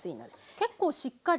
結構しっかり。